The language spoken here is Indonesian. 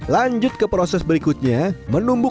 lanjut ke proses berikutnya menumbuh